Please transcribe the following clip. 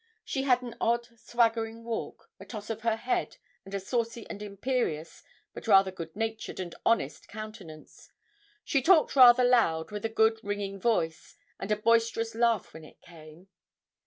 She had an odd swaggering walk, a toss of her head, and a saucy and imperious, but rather good natured and honest countenance. She talked rather loud, with a good ringing voice, and a boisterous laugh when it came.